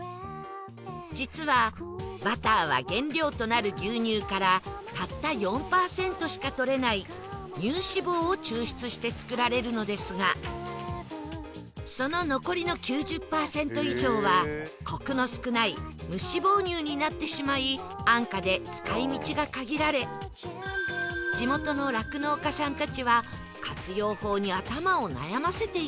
実はバターは原料となる牛乳からたった４パーセントしか採れない乳脂肪を抽出して作られるのですがその残りの９０パーセント以上はコクの少ない無脂肪乳になってしまい安価で使い道が限られ地元の酪農家さんたちは活用法に頭を悩ませていたそう